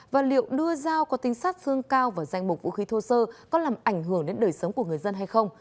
và liệu đưa dao có tính sát thương cao vào danh mục vũ khí thô sơ có làm ảnh hưởng đến đời sống của người dân hay không